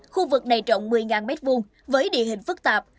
khu vực này rộng một mươi m hai với địa hình phức tạp